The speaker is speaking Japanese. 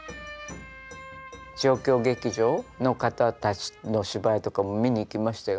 状況劇場の方たちの芝居とかも見に行きましたよ。